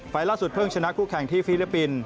ล่าสุดเพิ่งชนะคู่แข่งที่ฟิลิปปินส์